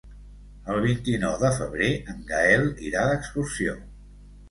El vint-i-nou de febrer en Gaël irà d'excursió.